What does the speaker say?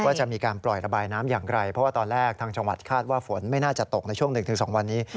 ว่าจะมีการปล่อยระบายน้ำอย่างไรเพราะว่าตอนแรกทางจังหวัดคาดว่าฝนไม่น่าจะตกในช่วง๑๒วันนี้